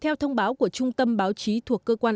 theo thông báo của trung tâm báo chí thuộc cơ quan